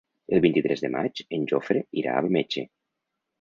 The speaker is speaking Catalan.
El vint-i-tres de maig en Jofre irà al metge.